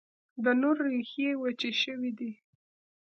د نور، ریښې یې وچي شوي دي